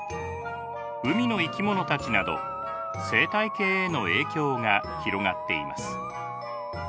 海の生き物たちなど生態系への影響が広がっています。